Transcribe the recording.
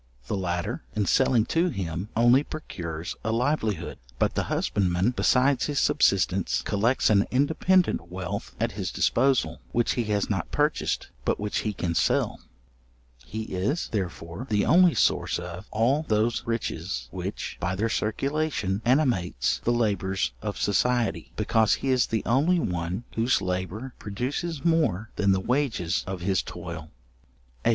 The latter, in selling to him, only procures a livelihood; but the husbandman, besides his subsistence, collects an independent wealth at his disposal, which he has not purchased, but which he can sell. He is, therefore, the only source of all those riches which, by their circulation, animates the labours of society: because he is the only one whose labour produces more than the wages of his toil. §8.